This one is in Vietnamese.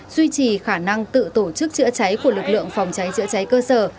duy trì khả năng tự tổ chức chữa cháy của lực lượng phòng cháy chữa cháy cơ sở